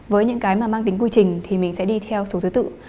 với những cái mà mang tính quy trình thì mình sẽ đi theo số thứ tự